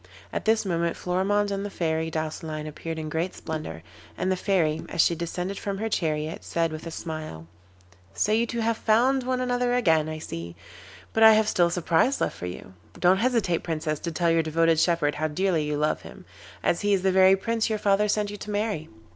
At this moment Florimond and the Fairy Douceline appeared in great splendour, and the Fairy, as she descended from her chariot, said with a smile: 'So you two have found one another again, I see, but I have still a surprise left for you. Don't hesitate, Princess, to tell your devoted shepherd how dearly you love him, as he is the very Prince your father sent you to marry.